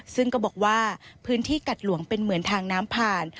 ซึ่งก็บอกว่าพื้นที่กัดหลวงเป็นเหมือนทางน้ำผ่าน